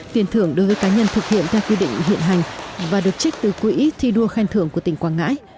tiền thưởng đối với cá nhân thực hiện theo quy định hiện hành và được trích từ quỹ thi đua khen thưởng của tỉnh quảng ngãi